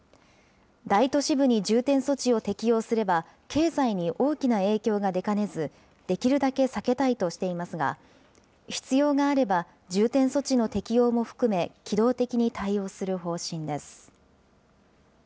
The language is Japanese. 大都市部に重点措置を適用すれば、経済に大きな影響が出かねず、できるだけ避けたいとしていますが、必要があれば、重点措置の適用も含め、機動的に対応する方針です。